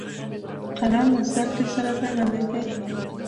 قلم له زده کړې سره تړلی دی